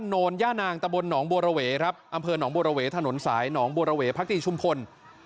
บ้านโนนย่านางตะบลหนองบัวระเวย์อำเภอหนองบัวระเวย์ถนนสายหนองบัวระเวย์พรรคติชุมพล